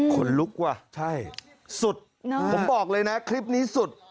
คนลุกว่ะใช่สุดผมบอกเลยนะคลิปนี้สุด